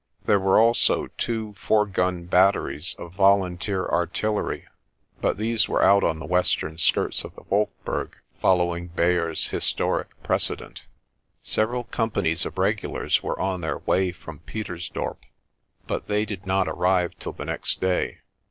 There were also two four gun batteries of volunteer artillery, but these were out on the western skirts of the Wolkberg following Beyers's historic precedent. Several companies of regulars were on their way from Pietersdorp but they did not arrive till the next day.